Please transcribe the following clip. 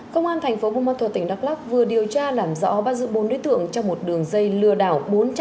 công an tp hcm đắk lắk vừa điều tra làm rõ ba dự bốn đối tượng trong một đường dây lừa đảo